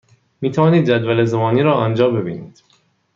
می توانید جدول زمانی را آنجا ببینید.